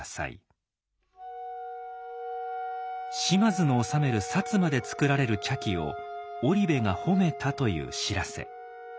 島津の治める摩で作られる茶器を織部が褒めたという知らせ。